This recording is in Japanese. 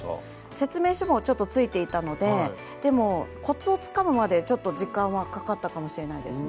説明書もちょっと付いていたのででもコツをつかむまでちょっと時間はかかったかもしれないですね。